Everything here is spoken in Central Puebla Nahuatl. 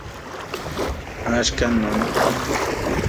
Axkan non ipati